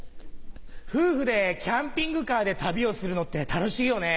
夫婦でキャンピングカーで旅をするのって楽しいよね。